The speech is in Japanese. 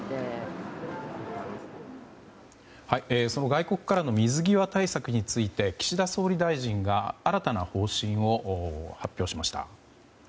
外国からの水際対策について岸田総理大臣が新たな方針を発表しました。